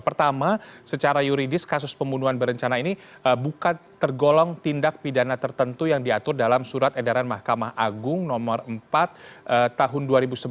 pertama secara yuridis kasus pembunuhan berencana ini bukan tergolong tindak pidana tertentu yang diatur dalam surat edaran mahkamah agung nomor empat tahun dua ribu sebelas